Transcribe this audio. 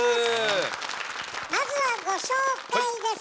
まずはご紹介です。